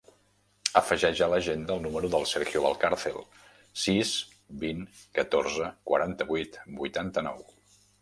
Afegeix a l'agenda el número del Sergio Valcarcel: sis, vint, catorze, quaranta-vuit, vuitanta-nou.